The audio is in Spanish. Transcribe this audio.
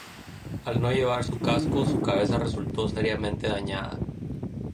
Al no llevar casco, su cabeza resultó seriamente dañada.